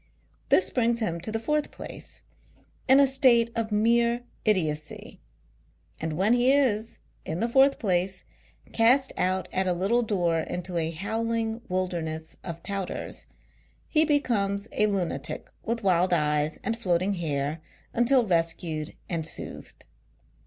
This brings him to the fourth place, in a state of mere idiotcy ; and when he is, in the fourth place, cast out at a little door into a howling wilderness of touters, he becomes a lunatic with wild eyes and floating hair until rescued and soothed.